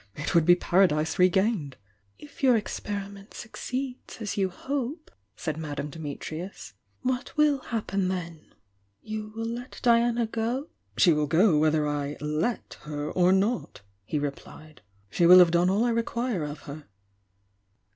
— it would be Paradise regained! "If your experiment succeeds as you hope," said Madame Dimitrius, "what will happen then? You will let Diana go?" "She will go whether I 'let' her or not, he re plied. "She will have done all I require of her."